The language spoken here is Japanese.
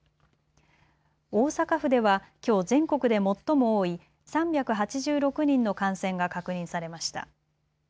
大阪府では、きょう全国で最も多い３８６人の感染が確認されました。